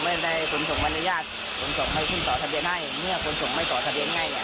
แล้วก็คุยต่อของพวกเขา